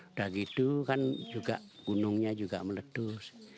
udah gitu kan juga gunungnya juga meledus